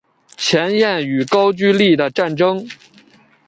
前燕与高句丽的战争